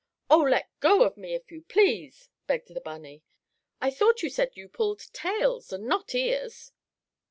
"Oh, let go of me, if you please!" begged the bunny. "I thought you said you pulled tails and not ears."